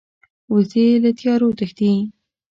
وزې له تیارو تښتي